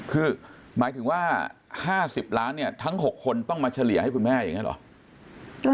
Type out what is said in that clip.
คือหมายถึงว่า๕๐ล้านเนี่ยทั้ง๖คนต้องมาเฉลี่ยให้คุณแม่อย่างนี้หรอ